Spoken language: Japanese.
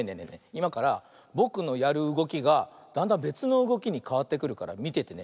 いまからぼくのやるうごきがだんだんべつのうごきにかわってくるからみててね。